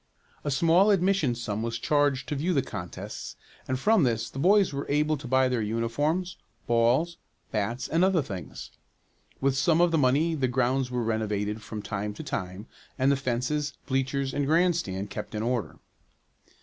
A small admission sum was charged to view the contests and from this the boys were able to buy their uniforms, balls, bats, and other things. With some of the money the grounds were renovated from time to time, and the fences, bleachers and grandstand kept in order.